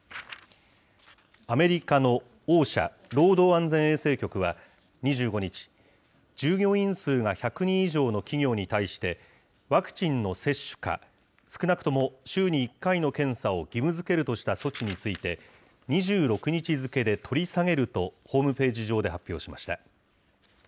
アメリカのＯＳＨＡ・労働安全衛生局は、２５日、従業員数が１００人以上の企業に対してワクチンの接種か、少なくとも週に１回の検査を義務づけるとした措置について、２６日付で取り下げるとホームページ上で発表しました。